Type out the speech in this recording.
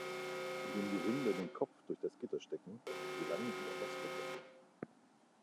Indem die Rinder den Kopf durch das Gitter stecken, gelangen sie an das Futter.